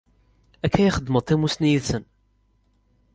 Akka i xedmeɣ-d tamussni yid-sent.